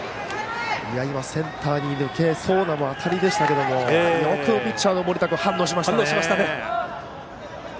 センターに抜けそうな当たりでしたけどよくピッチャーの森田君反応しましたね。